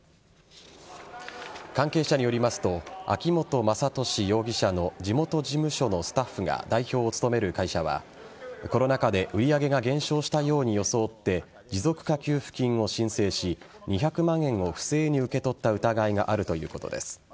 関係者によりますと秋本真利容疑者の地元事務所のスタッフが代表を務める会社はコロナ禍で売上が減少したように装って持続化給付金を申請し２００万円を不正に受け取った疑いがあるということです。